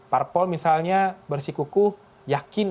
parpol misalnya bersih kuku yakin